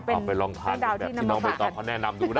เอาไปลองทานกันแบบที่น้องใบตองเขาแนะนำดูนะ